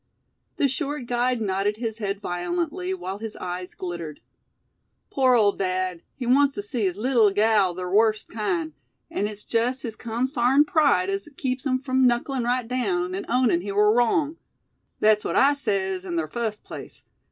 The short guide nodded his head violently, while his eyes glittered. "Pore ole dad, he wants tew see his leetle gal ther wust kind, an' it's jest his consarned pride as keeps him frum knucklin' right down, an' ownin' he war wrong. Thet's what I sez in ther fust place.